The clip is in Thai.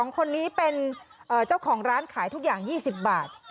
๒คนนี้เป็นเจ้าของร้านขายทุกอย่าง๒๐บาท